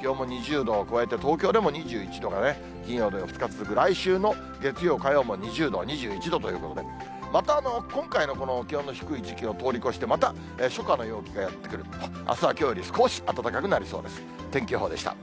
気温も２０度を超えて東京でも２１度がね、金曜、土曜、２日続く来週の月曜、火曜も２０度、２１度ということで、また今回の気温の低い時期を通り越して、また初夏の陽気がやって来る、いってらっしゃい！